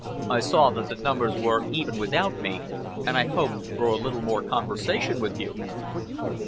I saw that the numbers were even without me, and I hoped for a little more conversation with you."